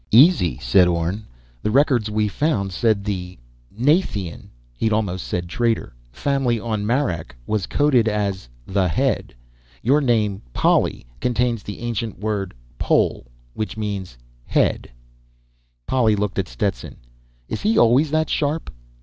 "Easy," said Orne. "The records we found said the ... Nathian (he'd almost said 'traitor') family on Marak was coded as 'The Head.' Your name, Polly, contains the ancient word 'Poll' which means head." Polly looked at Stetson. "Is he always that sharp?"